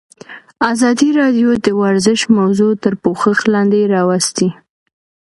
ازادي راډیو د ورزش موضوع تر پوښښ لاندې راوستې.